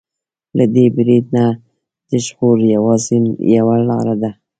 له دې برید نه د ژغور يوازې يوه لاره ده.